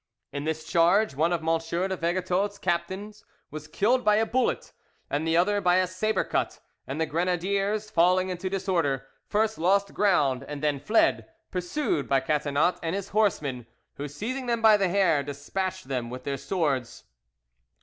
In this charge, one of M. de Vergetot's captains was killed by a bullet, and the other by a sabre cut, and the grenadiers falling into disorder, first lost ground and then fled, pursued by Catinat and his horsemen, who, seizing them by the hair, despatched them with their swords.